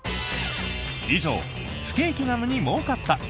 以上不景気なのに儲かった！